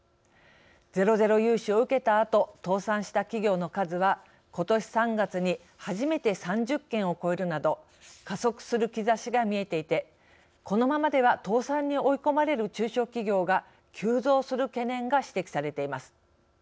ゼロゼロ融資を受けたあと倒産した企業の数はことし３月に初めて３０件を超えるなど加速する兆しが見えていてこのままでは倒産に追い込まれる中小企業が急増する懸念が指摘されています。